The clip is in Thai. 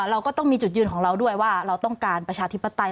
เราก็ต้องมีจุดยืนของเราด้วยว่าเราต้องการประชาธิปไตย